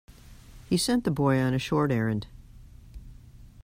He sent the boy on a short errand.